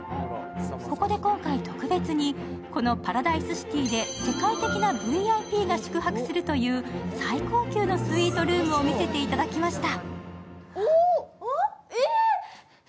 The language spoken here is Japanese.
ここで今回特別にこのパラダイスシティで世界的なＶＩＰが宿泊するという最高級のスイートルームを見せていただきました。